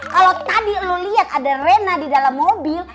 kalau tadi lo lihat ada rena di dalam mobil